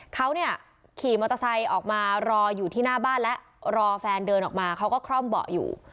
เขาเนี่ยขี่มอเตอร์ไซค์ออกมารออยู่ที่หน้าบ้านแล้วรอแฟนเดินออกมาเขาก็คล่อมเบาะอยู่